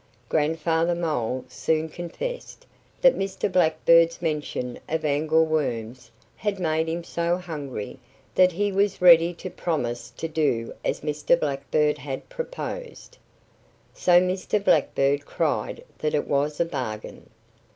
Grandfather Mole soon confessed that Mr. Blackbird's mention of angleworms had made him so hungry that he was ready to promise to do as Mr. Blackbird had proposed. So Mr. Blackbird cried that it was a bargain.